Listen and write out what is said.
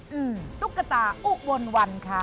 อืมตุ๊กตาอุบลวันค่ะ